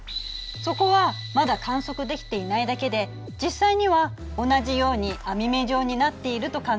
そこはまだ観測できていないだけで実際には同じように網目状になっていると考えられているの。